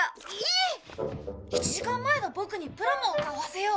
１時間前のボクにプラモを買わせよう。